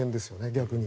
逆に。